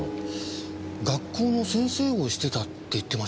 学校の先生をしてたって言ってましたかね。